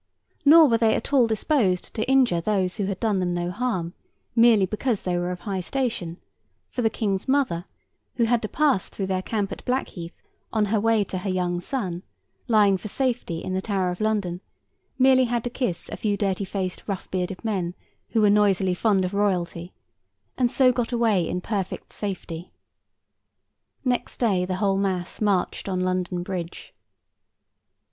Nor were they at all disposed to injure those who had done them no harm, merely because they were of high station; for, the King's mother, who had to pass through their camp at Blackheath, on her way to her young son, lying for safety in the Tower of London, had merely to kiss a few dirty faced rough bearded men who were noisily fond of royalty, and so got away in perfect safety. Next day the whole mass marched on to London Bridge.